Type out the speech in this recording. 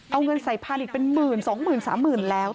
เอาเงินใส่พาดิกเป็นหมื่นสองหมื่นสามหมื่นแล้ว